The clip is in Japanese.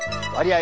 あ。